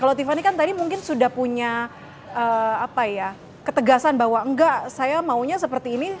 kalau tiffany kan tadi mungkin sudah punya ketegasan bahwa enggak saya maunya seperti ini